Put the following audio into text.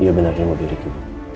iya benarnya mobil riki